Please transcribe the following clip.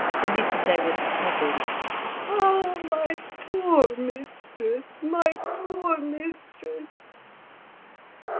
Félicité was sobbing "Ah! my poor mistress! my poor mistress!"